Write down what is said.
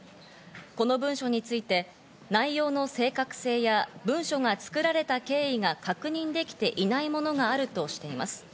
この文書について、内容の正確性や文書が作られた経緯が確認できていないものがあるとしています。